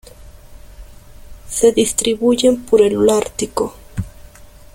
Se distribuyen por el Holártico.